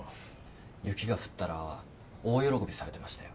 雪が降ったら大喜びされてましたよ。